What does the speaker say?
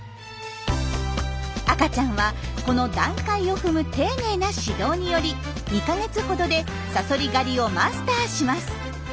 赤ちゃんはこの段階を踏む丁寧な指導により２か月ほどでサソリ狩りをマスターします。